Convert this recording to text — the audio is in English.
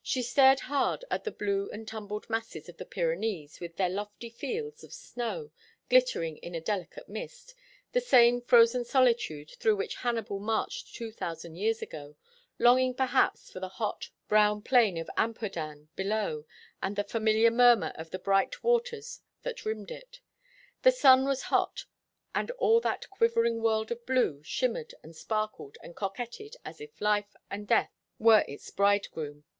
She stared hard at the blue and tumbled masses of the Pyrenees with their lofty fields of snow glittering in a delicate mist, the same frozen solitude through which Hannibal marched two thousand years ago, longing, perhaps, for the hot, brown plain of Ampurdan below and the familiar murmur of the bright waters that rimmed it. The sun was hot, and all that quivering world of blue shimmered and sparkled and coquetted as if life and not death were its bridegroom.